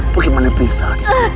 bagaimana bisa adikku